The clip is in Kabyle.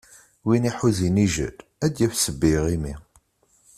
Win iḥuza inijel, ad yaf ssebba i iɣimi.